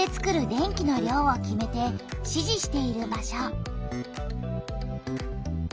電気の量を決めて指示している場所。